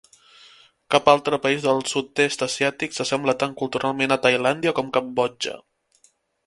Cap altre país del sud-est asiàtic s'assembla tant culturalment a Tailàndia com Cambodja.